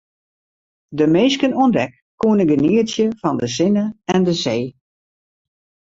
De minsken oan dek koene genietsje fan de sinne en de see.